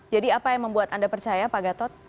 jadi apa yang membuat anda percaya pak gatot